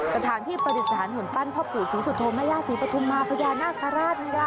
กระถั่งที่ปริศาลหนุนปั้นพเปราธุสิสุทธมใหญ่ที่ปฐมมาพนครราชละอ้อ